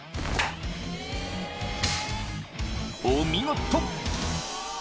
［お見事］